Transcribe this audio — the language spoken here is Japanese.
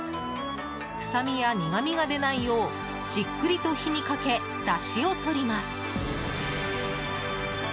臭みや苦みが出ないようじっくりと火にかけだしを取ります。